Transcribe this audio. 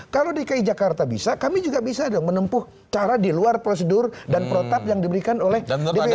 kalau dki jakarta bisa kami juga bisa dong menempuh cara di luar prosedur dan protap yang diberikan oleh dpr